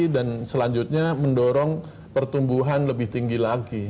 dan selanjutnya mendorong pertumbuhan lebih tinggi lagi